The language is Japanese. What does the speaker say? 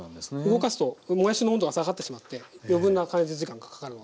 動かすともやしの温度が下がってしまって余分な加熱時間がかかる。